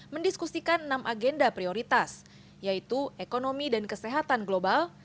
mendiskusikan enam agenda prioritas yaitu ekonomi dan kesehatan global